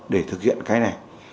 để thực hiện cái này